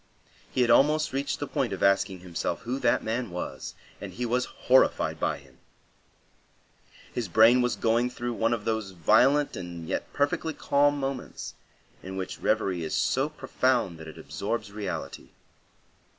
He had almost reached the point of asking himself who that man was, and he was horrified by him. His brain was going through one of those violent and yet perfectly calm moments in which reverie is so profound that it absorbs reality.